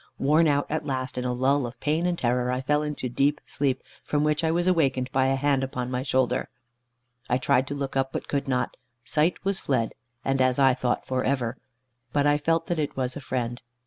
Worn out at last, in a lull of pain and terror, I fell into deep sleep, from which I was awakened by a hand upon my shoulder. I tried to look up, but could not. Sight was fled, and as I thought for ever. But I felt that it was a friend.